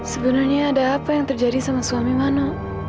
sebenarnya ada apa yang terjadi sama suami mana